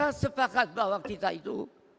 kita sepakat bahwa kita itu